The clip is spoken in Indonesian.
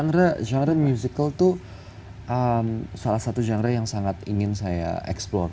genre musikal itu salah satu genre yang sangat ingin saya eksplor